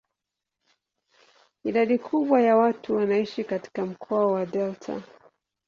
Idadi kubwa ya watu wanaishi katika mkoa wa delta.